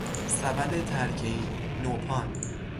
سبد ترکهای، نوپان